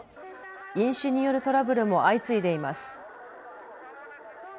飲酒によるトラブルも相次いでいます。